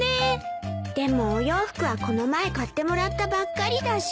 でもお洋服はこの前買ってもらったばっかりだし。